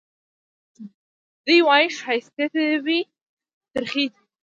دی وايي ښايستې دي وي ترخې دي وي